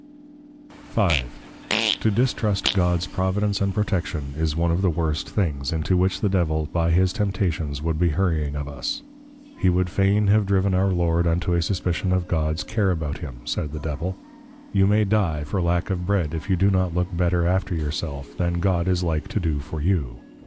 V. To distrust Gods Providence and Protection, is one of the worst things, into which the Devil by his Temptations would be hurrying of us. He would fain have driven our Lord unto a Suspicion of Gods care about Him, said the Devil, _You may dy for lack of Bread, if you do not look better after your self, than God is like to do for you.